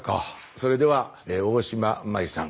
それでは大島麻衣さん